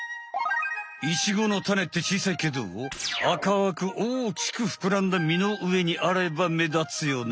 イチゴのタネってちいさいけど赤くおおきくふくらんだ実のうえにあればめだつよね？